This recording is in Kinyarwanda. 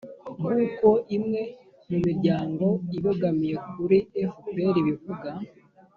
nkuko imwe mu miryango ibogamiye kuri fpr ibivuga,